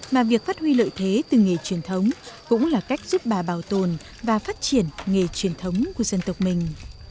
mà việc phát huy lợi thế từ nghề truyền thống cũng là cách giúp bà bảo tồn và phát triển nghề truyền thống của dân tộc mình